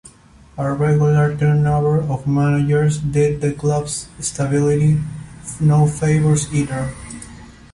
A regular turnover of managers did the club's stability no favours, either.